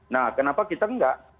nah kenapa kita enggak